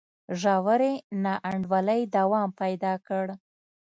ژورې نا انډولۍ دوام پیدا کړ.